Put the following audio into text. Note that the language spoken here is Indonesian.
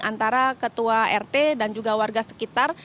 antara ketua rt dan juga warga sekitar